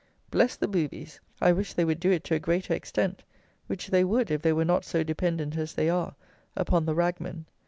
Bless the "boobies"! I wish they would do it to a greater extent, which they would, if they were not so dependent as they are upon the ragmen.